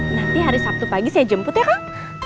nanti hari sabtu pagi saya jemput ya kang